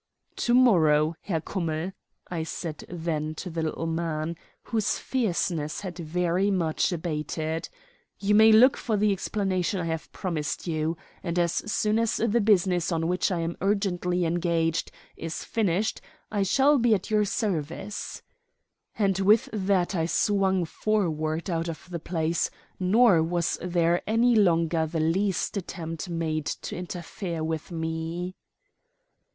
"To morrow, Herr Kummell," I said then to the little man, whose fierceness had very much abated, "you may look for the explanation I have promised you; and as soon as the business on which I am urgently engaged is finished I shall be at your service," and with that I swung forward out of the place, nor was there any longer the least attempt made to interfere with me.